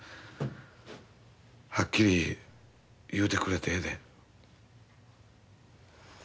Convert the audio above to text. はっきり言うてくれてええで。